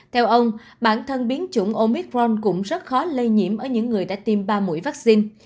theo ông bản thân biến chủng omitron cũng rất khó lây nhiễm ở những người đã tiêm ba mũi vaccine